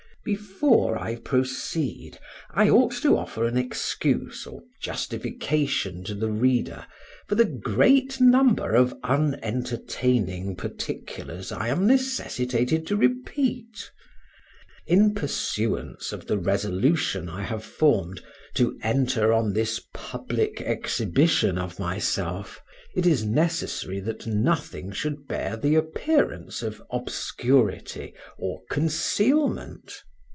Before I proceed, I ought to offer an excuse, or justification to the reader for the great number of unentertaining particulars I am necessitated to repeat. In pursuance of the resolution I have formed to enter on this public exhibition of myself, it is necessary that nothing should bear the appearance of obscurity or concealment.